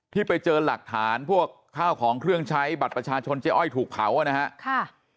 ที่ไปเจอหลักฐานพวกข้าวของเครื่องใช้บัตรประชาชนเจ๊อ้อยถูกเผานะครับ